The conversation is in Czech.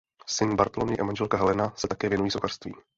Syn Bartoloměj a manželka Helena se také věnují sochařství.